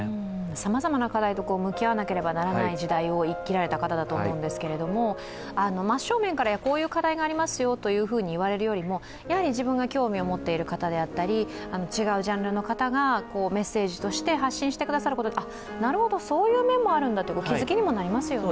さまざまな課題と向き合わなければならない時代を生きられた方だと思うんですけど真正面からこういう課題がありますよと言われるよりもやはり自分が興味を持っている方であったり、違うジャンルの方がメッセージとして発信してくださると、あ、なるほど、そういう面もあるんだという気づきにもなりますよね。